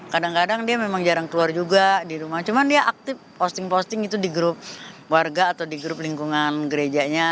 kadang kadang dia memang jarang keluar juga di rumah cuma dia aktif posting posting itu di grup warga atau di grup lingkungan gerejanya